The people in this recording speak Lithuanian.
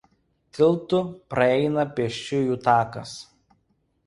Tiltu praeina pėsčiųjų takas.